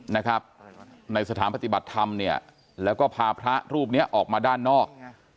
ในสถานปฏิบัติธรรมเนี่ยแล้วก็พาพระรูปนี้ออกมาด้านนอก